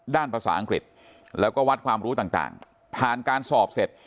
ภาษาอังกฤษแล้วก็วัดความรู้ต่างผ่านการสอบเสร็จ